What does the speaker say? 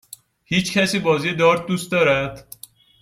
هیچکسی بازی دارت دوست دارد؟